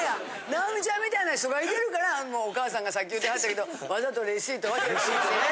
尚美ちゃんみたいな人がいてるからもうお母さんがさっき言ってはったけどワザとレシート入れてね。